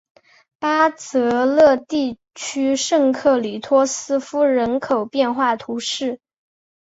巴泽勒地区圣克里斯托夫人口变化图示